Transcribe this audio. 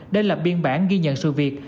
đây là biên bản ghi nhận sự việc